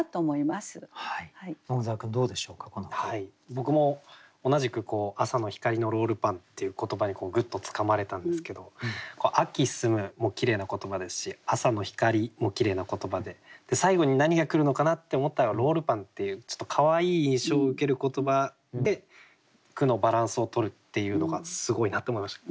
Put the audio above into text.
僕も同じく「朝の光のロールパン」っていう言葉にグッとつかまれたんですけど「秋澄む」もきれいな言葉ですし「朝の光」もきれいな言葉で最後に何が来るのかなって思ったら「ロールパン」っていうちょっとかわいい印象を受ける言葉で句のバランスをとるっていうのがすごいなって思いました。